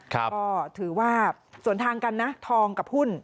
ก็ถือว่าส่วนทางกันนะทองกับหุ้น